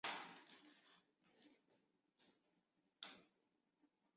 书写温柔又疏离的人间剧场。